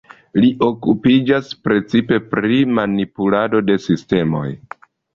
Li okupiĝas precipe pri manipulado de sistemoj.